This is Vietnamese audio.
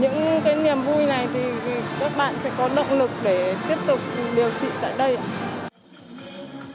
những cái niềm vui này thì các bạn sẽ có động lực để tiếp tục điều trị tại đây ạ